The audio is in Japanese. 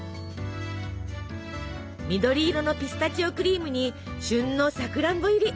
緑色のピスタチオクリームに旬のさくらんぼ入り！